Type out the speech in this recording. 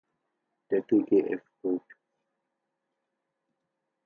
Der ggf.